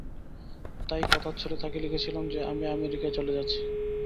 তাই কথাচ্ছলে তাঁকে লিখেছিলাম যে, আমি আমেরিকায় চলে যাচ্ছি।